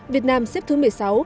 việt nam xếp thứ một mươi sáu